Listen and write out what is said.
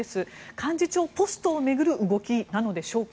幹事長ポストを巡る動きなのでしょうか。